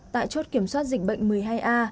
tại chốt kiểm soát dịch bệnh một mươi hai a